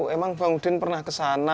emang bang udin pernah kesana